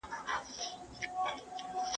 په غني وطن کښې خوار وومه او يم